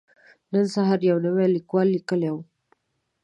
نن سهار يو نوي ليکوال ليکلي وو.